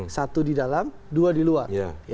satu di dalam dua di luar